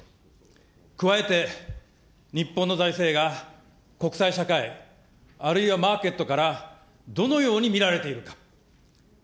加えて、日本の財政が国際社会、あるいはマーケットからどのように見られているか。